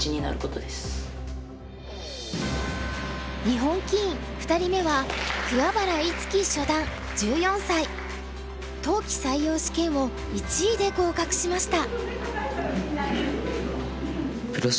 日本棋院２人目は冬季採用試験を１位で合格しました。